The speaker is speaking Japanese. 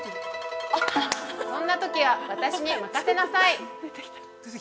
そんなときは私に任せなさい！